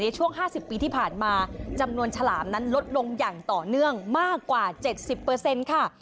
ช่วง๕๐ปีที่ผ่านมาจำนวนฉลามนั้นลดลงอย่างต่อเนื่องมากกว่า๗๐ค่ะ